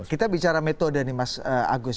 kita bicara metode nih mas agus